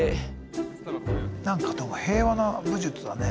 何かでも平和な武術だね。